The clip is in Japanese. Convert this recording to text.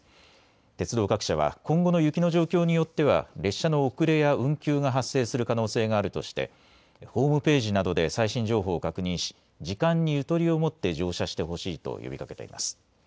鉄道各社は今後の雪の状況によっては列車の遅れや運休が発生する可能性があるとしてホームページなどで最新情報を確認し時間にゆとりを持って乗車してほしいと呼びかけています。